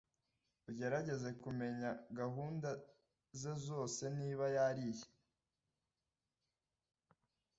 ugerageze kumenya gahunda ze zoseniba yariye,